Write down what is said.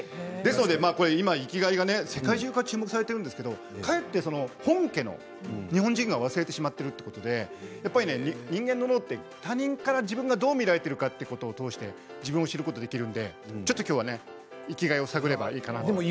ですので今、生きがいが世界中から今、注目されてるんですけどかえって本家の日本人が忘れてしまっているということで人間の脳って他人から自分がどう見られているかということを通して自分を知ることができるのできょうは生きがいを探ればいいかなって。